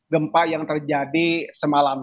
gempa yang terjadi semalam